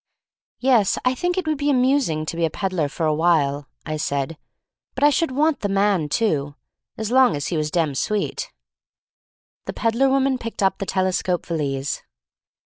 "Yes, I think it would be amusing to be a peddler for 2t while," I said. "But I should want the man, too, as long as he was dem sweet." The peddler woman picked up the telescope valise.